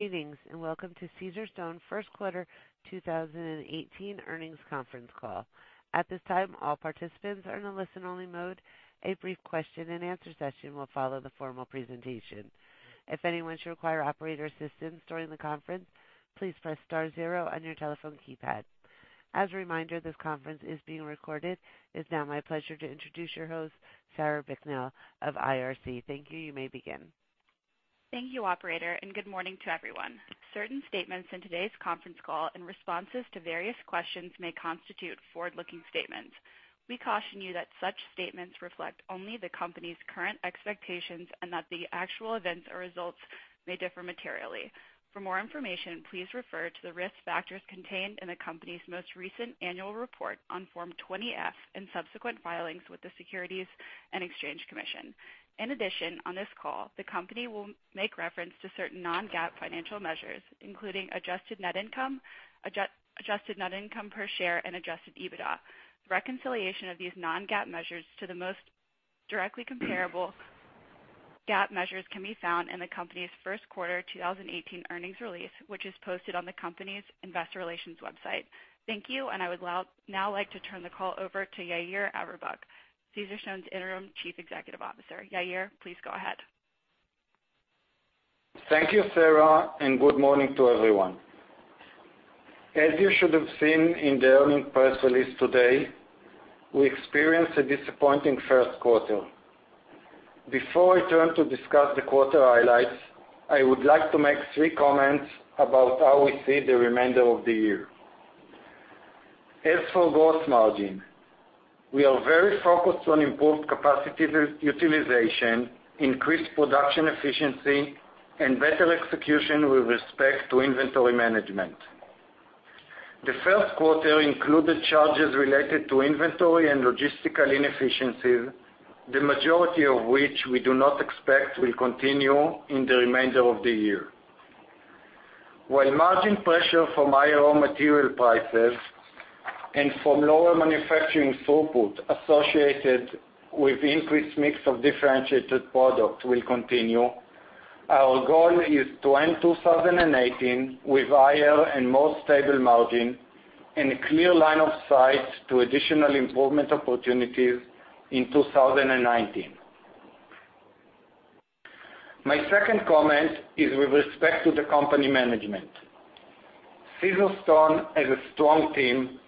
Good evening, and welcome to Caesarstone first quarter 2018 earnings conference call. At this time, all participants are in a listen-only mode. A brief question and answer session will follow the formal presentation. If anyone should require operator assistance during the conference, please press star zero on your telephone keypad. As a reminder, this conference is being recorded. It's now my pleasure to introduce your host, Sarah Bicknell of ICR. Thank you. You may begin. Thank you, operator, and good morning to everyone. Certain statements in today's conference call and responses to various questions may constitute forward-looking statements. We caution you that such statements reflect only the company's current expectations and that the actual events or results may differ materially. For more information, please refer to the risk factors contained in the company's most recent annual report on Form 20-F, and subsequent filings with the Securities and Exchange Commission. In addition, on this call, the company will make reference to certain non-GAAP financial measures, including adjusted net income, adjusted net income per share, and adjusted EBITDA. The reconciliation of these non-GAAP measures to the most directly comparable GAAP measures can be found in the company's first quarter 2018 earnings release, which is posted on the company's investor relations website. Thank you. I would now like to turn the call over to Yair Averbuch, Caesarstone's Interim Chief Executive Officer. Yair, please go ahead. Thank you, Sarah. Good morning to everyone. As you should have seen in the earnings press release today, we experienced a disappointing first quarter. Before I turn to discuss the quarter highlights, I would like to make three comments about how we see the remainder of the year. As for gross margin, we are very focused on improved capacity utilization, increased production efficiency, and better execution with respect to inventory management. The first quarter included charges related to inventory and logistical inefficiencies, the majority of which we do not expect will continue in the remainder of the year. While margin pressure from higher raw material prices and from lower manufacturing throughput associated with increased mix of differentiated products will continue, our goal is to end 2018 with higher and more stable margin and a clear line of sight to additional improvement opportunities in 2019. My second comment is with respect to the company management. Caesarstone has a strong team,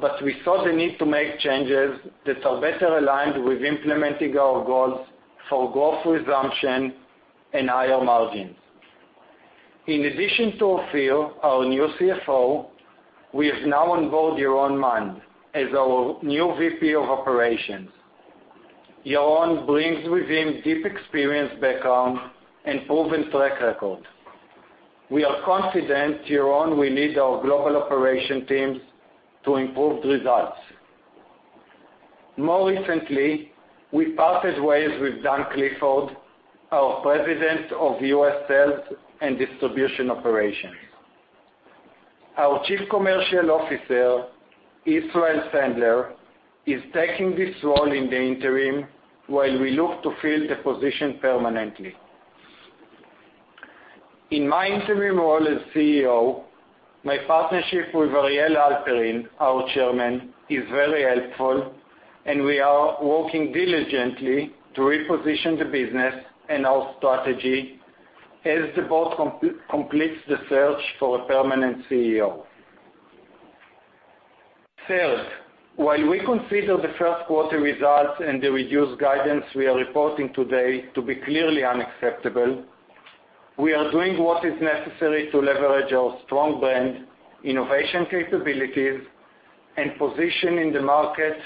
but we saw the need to make changes that are better aligned with implementing our goals for growth resumption and higher margins. In addition to Ophir, our new CFO, we have now onboarded Yaron Mond as our new VP of Operations. Yaron brings with him deep experience background and proven track record. We are confident Yaron will lead our global operation teams to improved results. More recently, we parted ways with Dan Clifford, our President of U.S. sales and distribution operations. Our Chief Commercial Officer, Israel Sandler, is taking this role in the interim while we look to fill the position permanently. In my interim role as CEO, my partnership with Ariel Halperin, our Chairman, is very helpful. We are working diligently to reposition the business and our strategy as the board completes the search for a permanent CEO. Third, while we consider the first quarter results and the reduced guidance we are reporting today to be clearly unacceptable, we are doing what is necessary to leverage our strong brand, innovation capabilities, and position in the market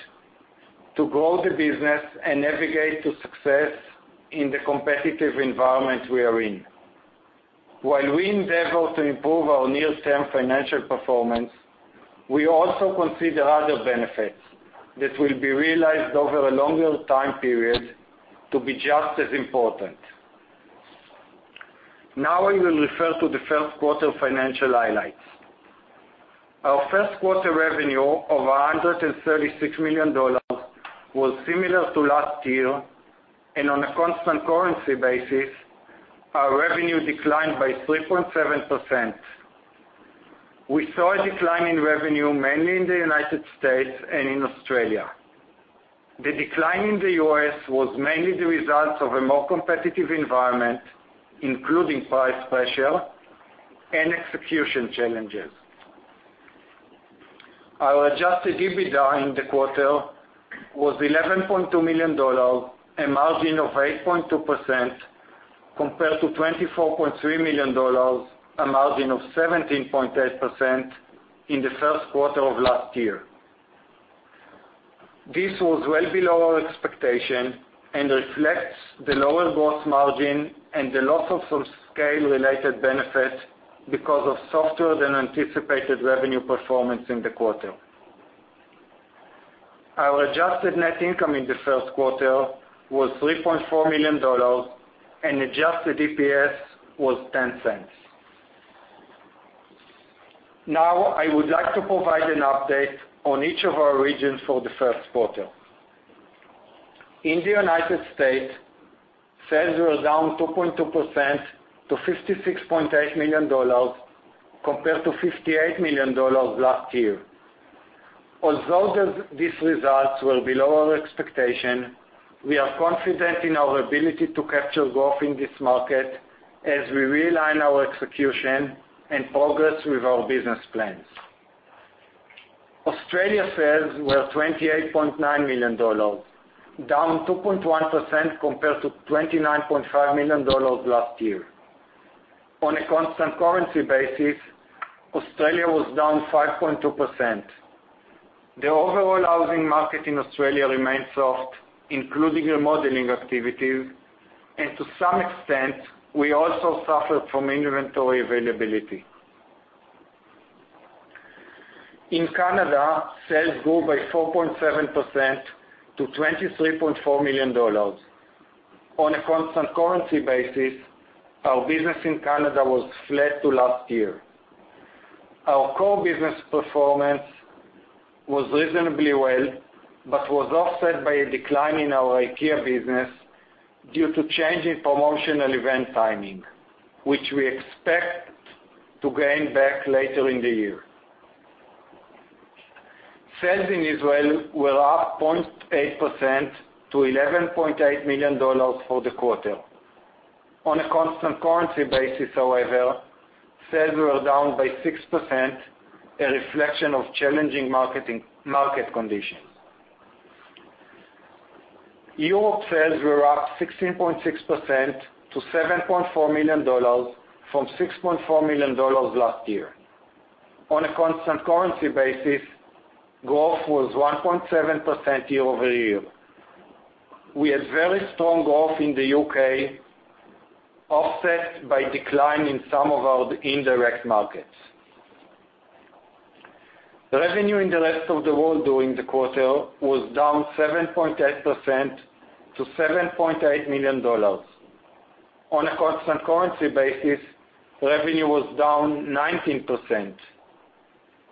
to grow the business and navigate to success in the competitive environment we are in. While we endeavor to improve our near-term financial performance, we also consider other benefits that will be realized over a longer time period to be just as important. I will refer to the first quarter financial highlights. Our first quarter revenue of $136 million was similar to last year. On a constant currency basis, our revenue declined by 3.7%. We saw a decline in revenue mainly in the U.S. and in Australia. The decline in the U.S. was mainly the result of a more competitive environment, including price pressure and execution challenges. Our adjusted EBITDA in the quarter was $11.2 million, a margin of 8.2%, compared to $24.3 million, a margin of 17.8% in the first quarter of last year. This was well below our expectation and reflects the lower gross margin and the loss of some scale-related benefits because of softer-than-anticipated revenue performance in the quarter. Our adjusted net income in the first quarter was $3.4 million, and adjusted EPS was $0.10. I would like to provide an update on each of our regions for the first quarter. In the U.S., sales were down 2.2% to $56.8 million, compared to $58 million last year. Although these results were below our expectation, we are confident in our ability to capture growth in this market as we realign our execution and progress with our business plans. Australia sales were $28.9 million, down 2.1% compared to $29.5 million last year. On a constant currency basis, Australia was down 5.2%. The overall housing market in Australia remains soft, including remodeling activities, and to some extent, we also suffered from inventory availability. In Canada, sales grew by 4.7% to $23.4 million. On a constant currency basis, our business in Canada was flat to last year. Our core business performance was reasonably well, but was offset by a decline in our IKEA business due to change in promotional event timing, which we expect to gain back later in the year. Sales in Israel were up 0.8% to $11.8 million for the quarter. On a constant currency basis, however, sales were down by 6%, a reflection of challenging market conditions. Europe sales were up 16.6% to $7.4 million from $6.4 million last year. On a constant currency basis, growth was 1.7% year-over-year. We had very strong growth in the U.K., offset by decline in some of our indirect markets. Revenue in the rest of the world during the quarter was down 7.8% to $7.8 million. On a constant currency basis, revenue was down 19%.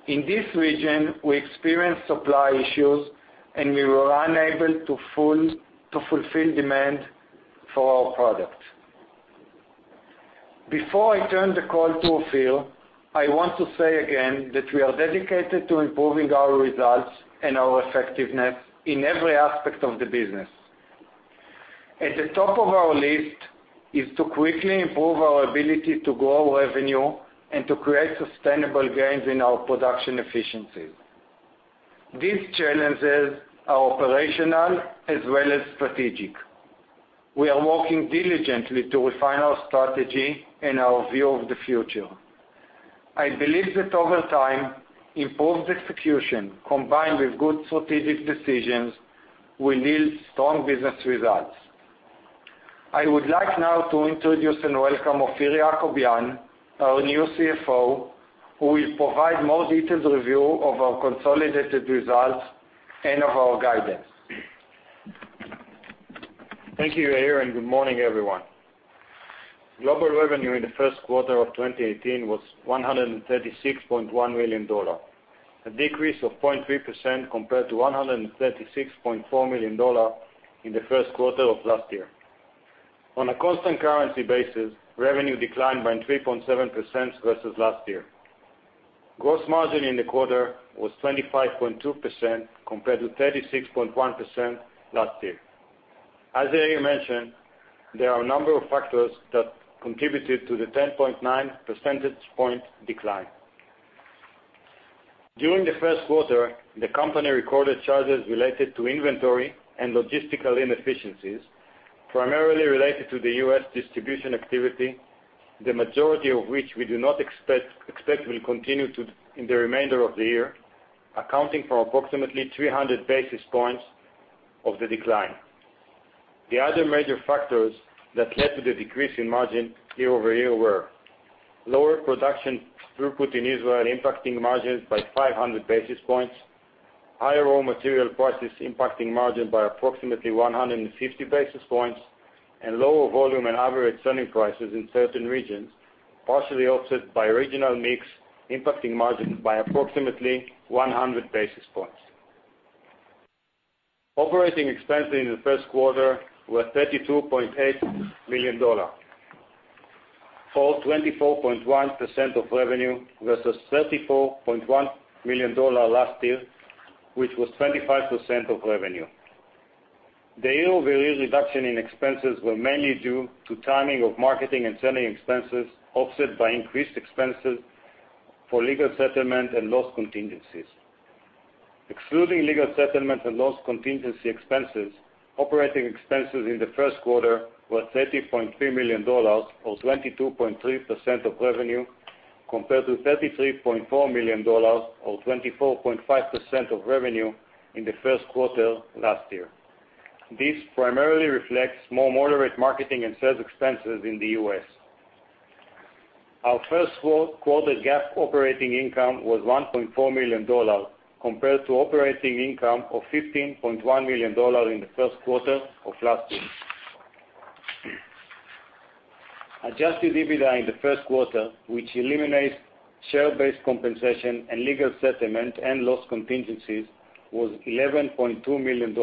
In this region, we experienced supply issues, and we were unable to fulfill demand for our product. Before I turn the call to Ophir, I want to say again that we are dedicated to improving our results and our effectiveness in every aspect of the business. At the top of our list is to quickly improve our ability to grow revenue and to create sustainable gains in our production efficiencies. These challenges are operational as well as strategic. We are working diligently to refine our strategy and our view of the future. I believe that over time, improved execution, combined with good strategic decisions, will yield strong business results. I would like now to introduce and welcome Ophir Yakovian, our new CFO, who will provide more detailed review of our consolidated results and of our guidance. Thank you, Yair, and good morning, everyone. Global revenue in the first quarter of 2018 was $136.1 million, a decrease of 0.3% compared to $136.4 million in the first quarter of last year. On a constant currency basis, revenue declined by 3.7% versus last year. Gross margin in the quarter was 25.2%, compared to 36.1% last year. As Yair mentioned, there are a number of factors that contributed to the 10.9 percentage point decline. During the first quarter, the company recorded charges related to inventory and logistical inefficiencies, primarily related to the U.S. distribution activity, the majority of which we do not expect will continue in the remainder of the year, accounting for approximately 300 basis points of the decline. The other major factors that led to the decrease in margin year-over-year were lower production throughput in Israel impacting margins by 500 basis points, higher raw material prices impacting margin by approximately 150 basis points, and lower volume and average selling prices in certain regions, partially offset by regional mix impacting margin by approximately 100 basis points. Operating expenses in the first quarter were $32.8 million, or 24.1% of revenue, versus $34.1 million last year, which was 25% of revenue. The year-over-year reduction in expenses were mainly due to timing of marketing and selling expenses, offset by increased expenses for legal settlement and loss contingencies. Excluding legal settlement and loss contingency expenses, operating expenses in the first quarter were $30.3 million, or 22.3% of revenue, compared to $33.4 million or 24.5% of revenue in the first quarter last year. This primarily reflects more moderate marketing and sales expenses in the U.S. Our first-quarter GAAP operating income was $1.4 million, compared to operating income of $15.1 million in the first quarter of last year. Adjusted EBITDA in the first quarter, which eliminates share-based compensation and legal settlement and loss contingencies, was $11.2 million,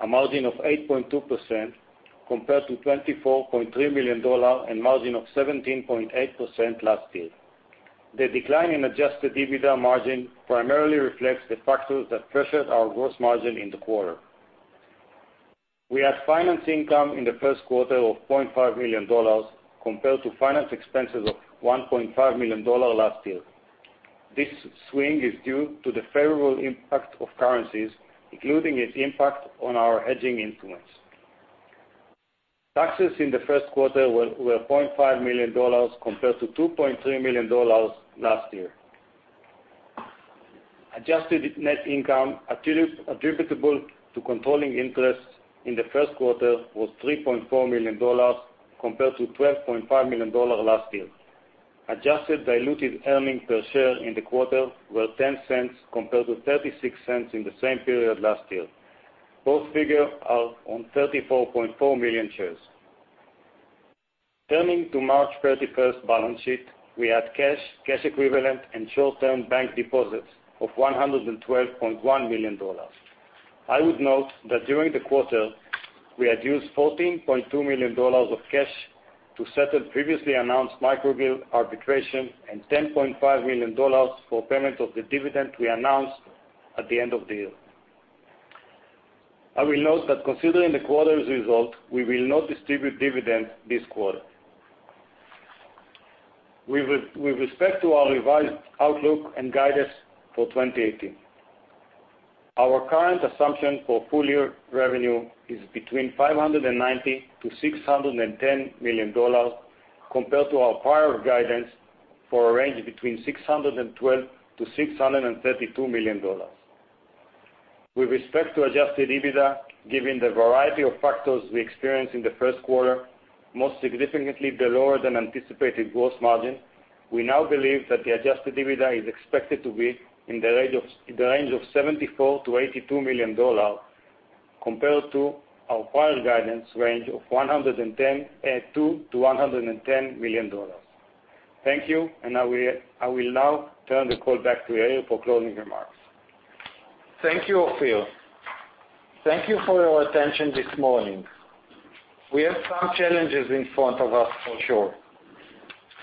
a margin of 8.2%, compared to $24.3 million and margin of 17.8% last year. The decline in adjusted EBITDA margin primarily reflects the factors that pressured our gross margin in the quarter. We had finance income in the first quarter of $0.5 million compared to finance expenses of $1.5 million last year. This swing is due to the favorable impact of currencies, including its impact on our hedging instruments. Taxes in the first quarter were $0.5 million compared to $2.3 million last year. Adjusted net income attributable to controlling interests in the first quarter was $3.4 million compared to $12.5 million last year. Adjusted diluted earnings per share in the quarter were $0.10 compared to $0.36 in the same period last year. Both figures are on 34.4 million shares. Turning to March 31st balance sheet, we had cash equivalent, and short-term bank deposits of $112.1 million. I would note that during the quarter, we had used $14.2 million of cash to settle previously announced Microvell arbitration and $10.5 million for payment of the dividend we announced at the end of the year. I will note that considering the quarter's result, we will not distribute dividend this quarter. With respect to our revised outlook and guidance for 2018, our current assumption for full-year revenue is between $590 million-$610 million, compared to our prior guidance for a range between $612 million-$632 million. With respect to adjusted EBITDA, given the variety of factors we experienced in the first quarter, most significantly the lower-than-anticipated gross margin, we now believe that the adjusted EBITDA is expected to be in the range of $74 million-$82 million, compared to our prior guidance range of $102 million-$110 million. Thank you. I will now turn the call back to Yair for closing remarks. Thank you, Ophir. Thank you for your attention this morning. We have some challenges in front of us for sure.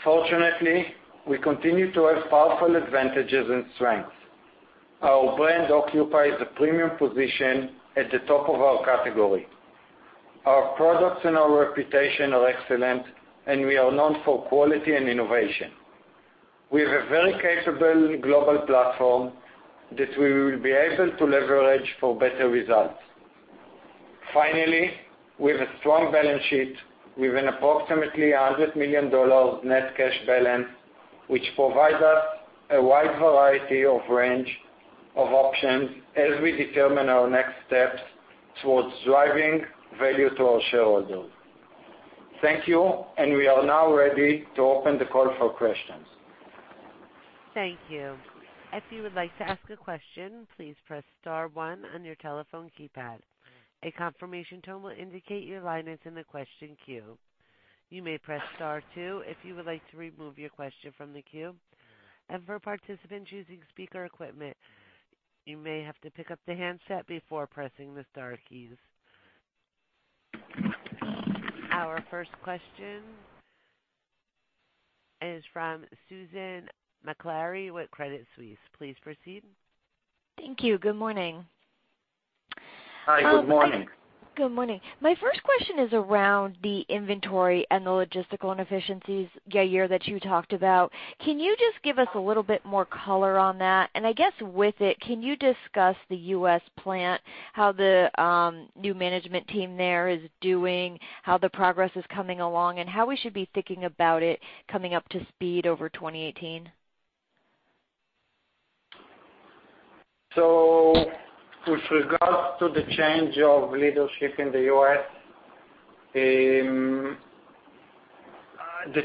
Fortunately, we continue to have powerful advantages and strengths. Our brand occupies a premium position at the top of our category. Our products and our reputation are excellent. We are known for quality and innovation. We have a very capable global platform that we will be able to leverage for better results. Finally, we have a strong balance sheet with an approximately $100 million net cash balance, which provides us a wide variety of range of options as we determine our next steps towards driving value to our shareholders. Thank you. We are now ready to open the call for questions. Thank you. If you would like to ask a question, please press star one on your telephone keypad. A confirmation tone will indicate your line is in the question queue. You may press star two if you would like to remove your question from the queue. For participants using speaker equipment, you may have to pick up the handset before pressing the star keys. Our first question is from Susan Maklari with Credit Suisse. Please proceed. Thank you. Good morning. Hi, good morning. Good morning. My first question is around the inventory and the logistical inefficiencies, Yair, that you talked about. Can you just give us a little bit more color on that? I guess with it, can you discuss the U.S. plant, how the new management team there is doing, how the progress is coming along, and how we should be thinking about it coming up to speed over 2018? With regards to the change of leadership in the U.S., the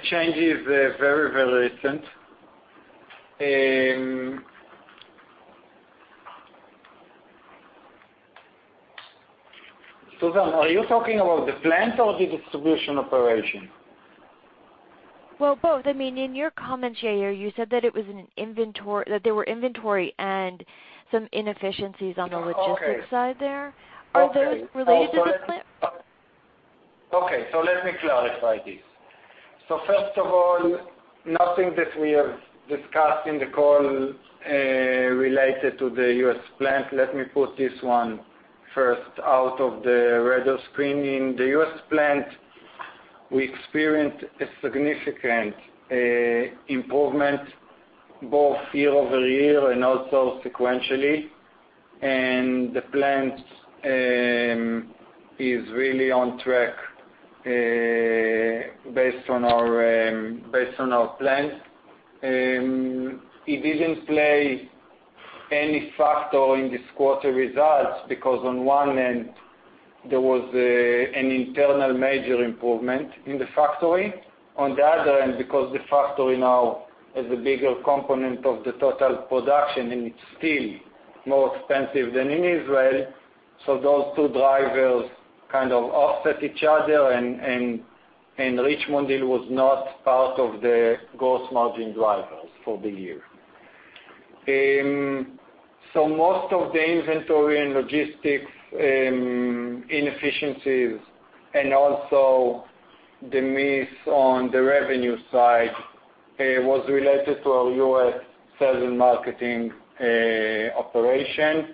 change is very recent. Susan, are you talking about the plant or the distribution operation? Well, both. In your comments, Yair, you said that there were inventory and some inefficiencies on the logistics side there. Okay. Are those related to the plant? Okay, let me clarify this. First of all, nothing that we have discussed in the call related to the U.S. plant. Let me put this one first out of the radar screen. In the U.S. plant, we experienced a significant improvement both year-over-year and also sequentially, and the plant is really on track based on our plans. It didn't play any factor in this quarter results because on one end, there was an internal major improvement in the factory. On the other end, because the factory now is a bigger component of the total production, and it's still more expensive than in Israel. Those two drivers kind of offset each other, and Richmond Hill was not part of the gross margin drivers for the year. Most of the inventory and logistics inefficiencies, and also the miss on the revenue side, was related to our U.S. sales and marketing operation.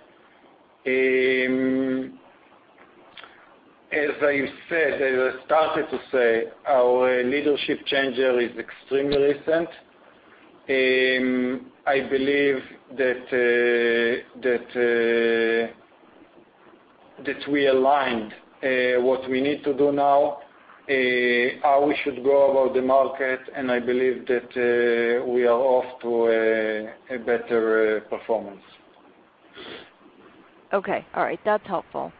As I started to say, our leadership change is extremely recent. I believe that we aligned what we need to do now, how we should go about the market, and I believe that we are off to a better performance. Okay. All right. That's helpful.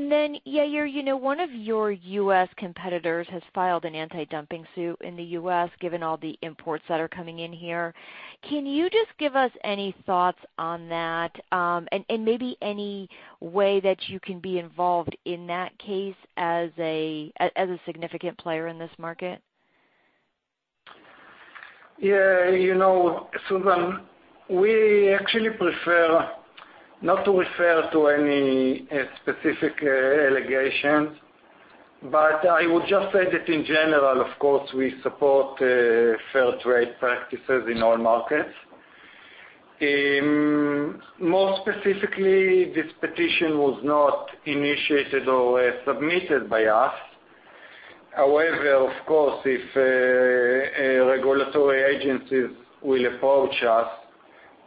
Yair, one of your U.S. competitors has filed an anti-dumping suit in the U.S., given all the imports that are coming in here. Can you just give us any thoughts on that? Maybe any way that you can be involved in that case as a significant player in this market? Yeah, Susan, we actually prefer not to refer to any specific allegations. I would just say that in general, of course, we support fair trade practices in all markets. More specifically, this petition was not initiated or submitted by us. However, of course, if regulatory agencies will approach us,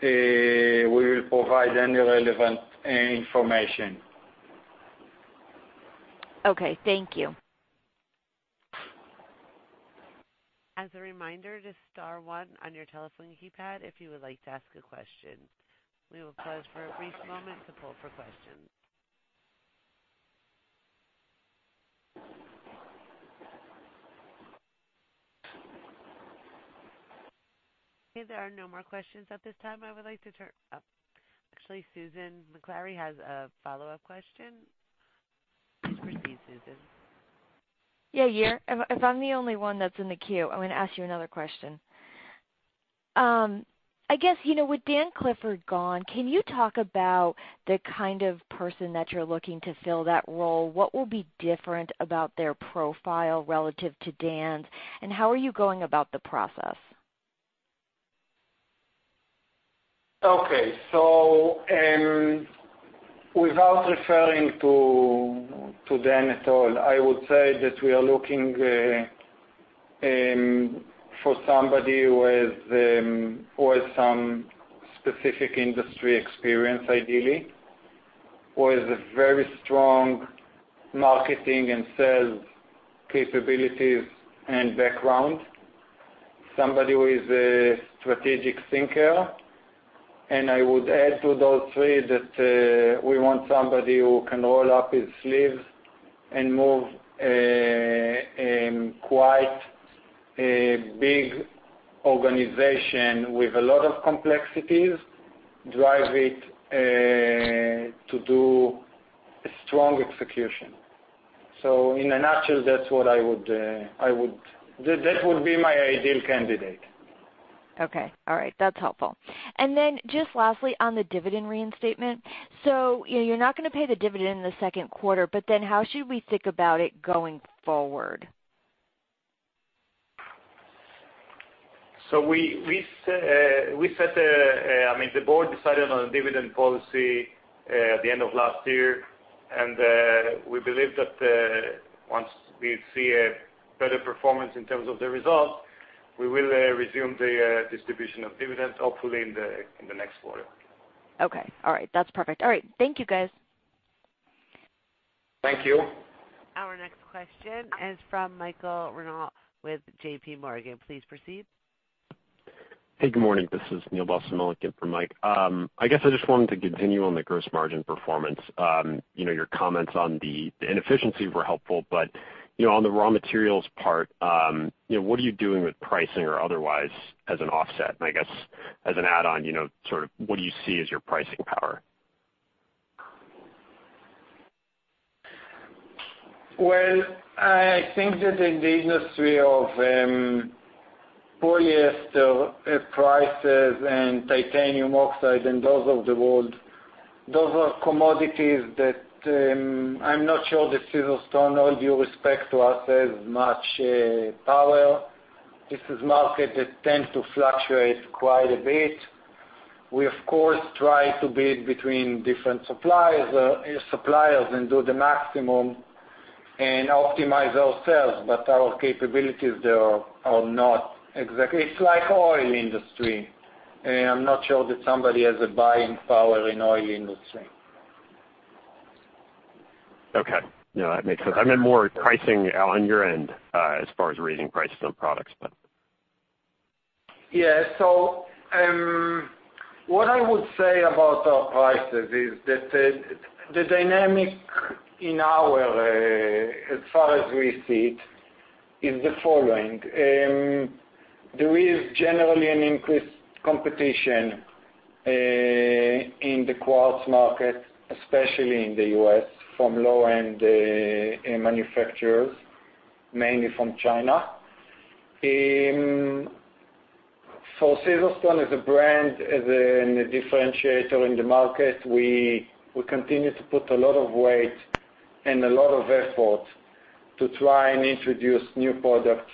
we will provide any relevant information. Okay, thank you. As a reminder, just star one on your telephone keypad if you would like to ask a question. We will pause for a brief moment to poll for questions. There are no more questions at this time. Actually, Susan Maklari has a follow-up question. Please proceed, Susan. Yair, if I'm the only one that's in the queue, I'm going to ask you another question. I guess, with Dan Clifford gone, can you talk about the kind of person that you're looking to fill that role? What will be different about their profile relative to Dan's, and how are you going about the process? Without referring to Dan at all, I would say that we are looking for somebody who has some specific industry experience, ideally, who has a very strong marketing and sales capabilities and background, somebody who is a strategic thinker. I would add to those three that we want somebody who can roll up his sleeves and move a quite big organization with a lot of complexities, drive it to do a strong execution. In a nutshell, that would be my ideal candidate. That's helpful. Just lastly, on the dividend reinstatement. You're not going to pay the dividend in the second quarter, how should we think about it going forward? The board decided on a dividend policy at the end of last year, and we believe that once we see a better performance in terms of the results, we will resume the distribution of dividends, hopefully in the next quarter. Okay. All right. That's perfect. All right. Thank you, guys. Thank you. Our next question is from Michael Rehaut with J.P. Morgan. Please proceed. Hey, good morning. This is Neal Bass, in for Mike. I guess I just wanted to continue on the gross margin performance. Your comments on the inefficiency were helpful, but on the raw materials part, what are you doing with pricing or otherwise as an offset? I guess as an add-on, sort of, what do you see as your pricing power? Well, I think that in the industry of polyester resins and titanium dioxide and those of the world, those are commodities that I'm not sure that Caesarstone, all due respect to us, has much power. This is market that tends to fluctuate quite a bit. We, of course, try to bid between different suppliers, and do the maximum and optimize our sales, but our capabilities there are not exact. It's like oil industry. I'm not sure that somebody has a buying power in oil industry. Okay. No, that makes sense. I meant more pricing on your end, as far as raising prices on products. Yeah. What I would say about our prices is that the dynamic in our, as far as we see it is the following. There is generally an increased competition in the quartz market, especially in the U.S., from low-end manufacturers, mainly from China. Caesarstone, as a brand, as a differentiator in the market, we continue to put a lot of weight and a lot of effort to try and introduce new product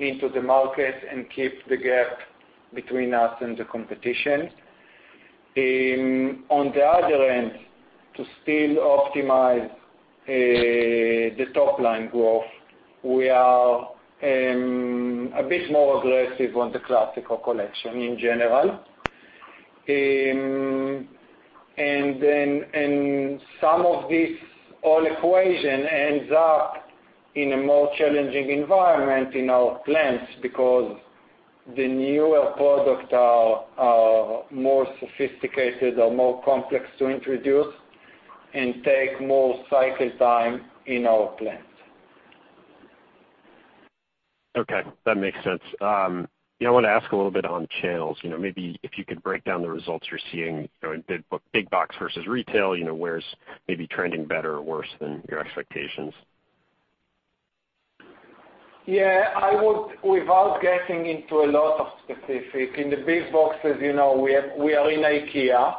into the market and keep the gap between us and the competition. On the other end, to still optimize the top-line growth, we are a bit more aggressive on the classical collection in general. Some of this whole equation ends up in a more challenging environment in our plants, because the newer product are more sophisticated or more complex to introduce and take more cycle time in our plants. Okay. That makes sense. I want to ask a little bit on channels. Maybe if you could break down the results you're seeing in big box versus retail, where's maybe trending better or worse than your expectations? Yeah. Without getting into a lot of specific, in the big boxes, we are in IKEA.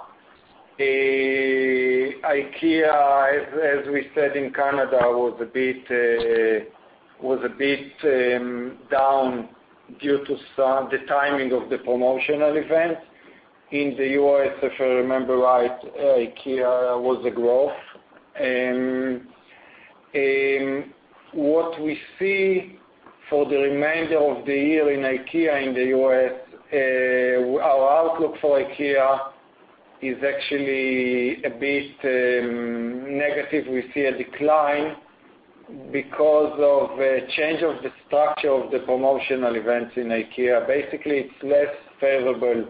IKEA, as we said, in Canada, was a bit down due to the timing of the promotional event. In the U.S., if I remember right, IKEA was a growth. What we see for the remainder of the year in IKEA in the U.S., our outlook for IKEA is actually a bit negative. We see a decline because of a change of the structure of the promotional events in IKEA. Basically, it's less favorable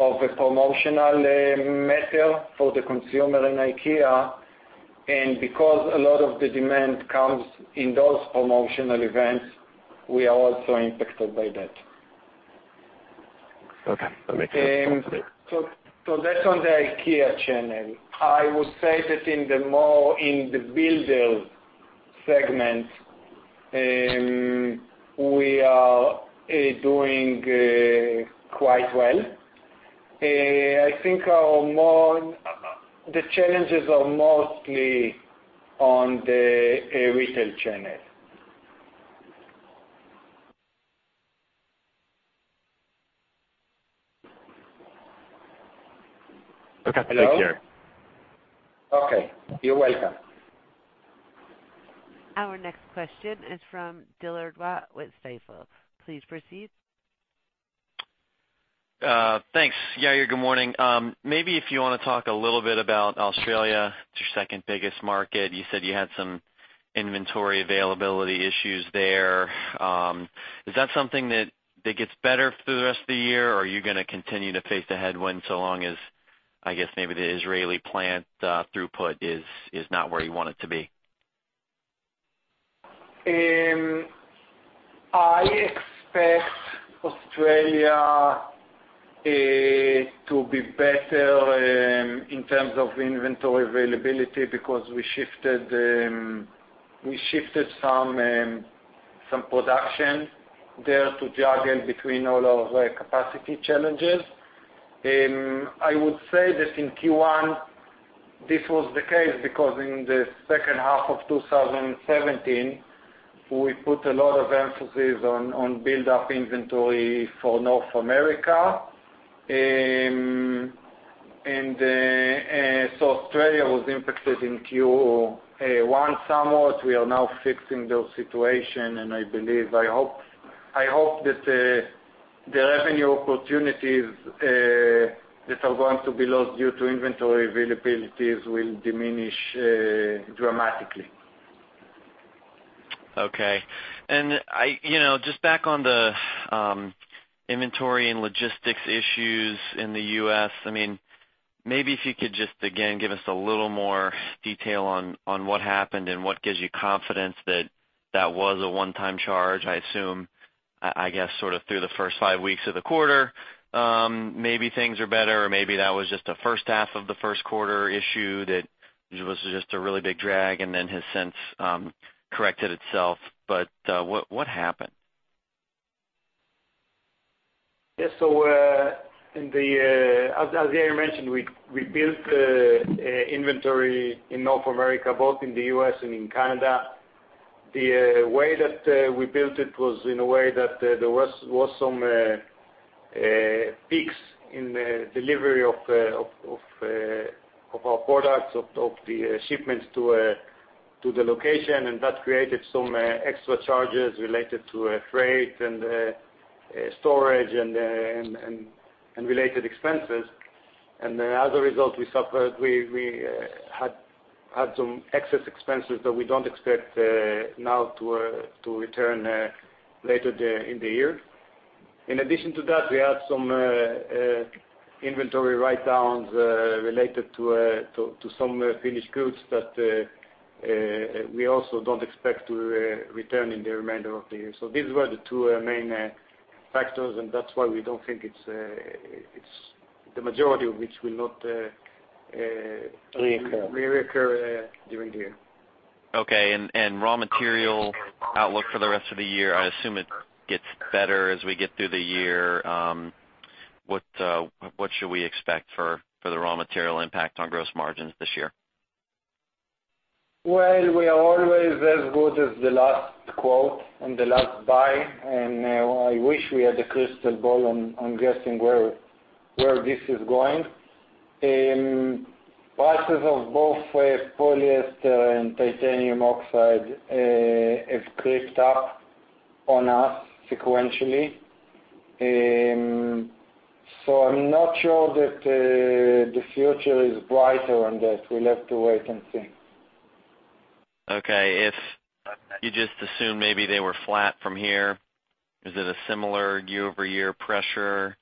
of a promotional matter for the consumer in IKEA, and because a lot of the demand comes in those promotional events, we are also impacted by that. Okay. That makes sense. That's on the IKEA channel. I would say that more in the builder segment, we are doing quite well. I think the challenges are mostly on the retail channel. Okay. Thank you. Hello? Okay. You're welcome. Our next question is from Dillard Watt with Stifel. Please proceed. Thanks. Yair, good morning. Maybe if you want to talk a little bit about Australia, it's your second-biggest market. You said you had some inventory availability issues there. Is that something that gets better through the rest of the year, or are you going to continue to face a headwind so long as, I guess, maybe the Israeli plant throughput is not where you want it to be? I expect Australia to be better in terms of inventory availability because we shifted some production there to juggle between all of the capacity challenges. I would say that in Q1, this was the case because in the second half of 2017, we put a lot of emphasis on build-up inventory for North America. Australia was impacted in Q1 somewhat. We are now fixing those situation, and I hope that the revenue opportunities that are going to be lost due to inventory availabilities will diminish dramatically. Okay. Just back on the inventory and logistics issues in the U.S., maybe if you could just, again, give us a little more detail on what happened and what gives you confidence that that was a one-time charge, I assume. I guess sort of through the first five weeks of the quarter, maybe things are better or maybe that was just a first half of the first quarter issue that was just a really big drag and then has since corrected itself. What happened? Yeah. As Yair mentioned, we built the inventory in North America, both in the U.S. and in Canada. The way that we built it was in a way that there was some peaks in the delivery of our products, of the shipments to the location, and that created some extra charges related to freight and storage and related expenses. As a result, we had some excess expenses that we don't expect now to return later in the year. In addition to that, we had some inventory write-downs related to some finished goods that we also don't expect to return in the remainder of the year. These were the two main factors, and that's why we don't think the majority of which will not- Reoccur reoccur during the year. Okay. Raw material outlook for the rest of the year, I assume it gets better as we get through the year. What should we expect for the raw material impact on gross margins this year? Well, we are always as good as the last quote and the last buy, I wish we had a crystal ball on guessing where this is going. Prices of both polyester and titanium dioxide have crept up on us sequentially. I'm not sure that the future is brighter on that. We'll have to wait and see. Okay. If you just assume maybe they were flat from here, is it a similar year-over-year pressure,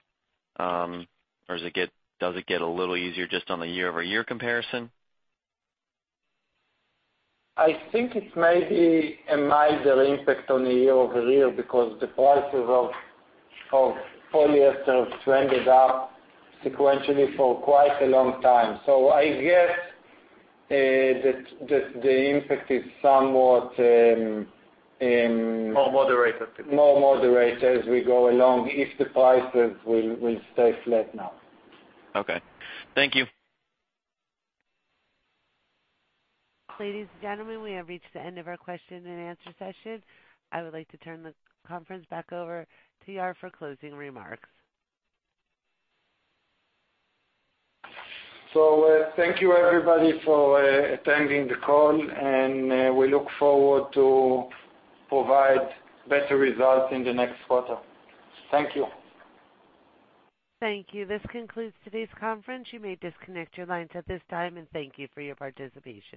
does it get a little easier just on the year-over-year comparison? I think it may be a minor impact on the year-over-year because the prices of polyester have trended up sequentially for quite a long time. I guess that the impact is somewhat- More moderated more moderated as we go along, if the prices will stay flat now. Okay. Thank you. Ladies and gentlemen, we have reached the end of our question and answer session. I would like to turn the conference back over to you for closing remarks. Thank you everybody for attending the call, and we look forward to provide better results in the next quarter. Thank you. Thank you. This concludes today's conference. You may disconnect your lines at this time, and thank you for your participation.